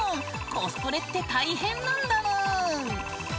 コスプレって大変なんだぬーん。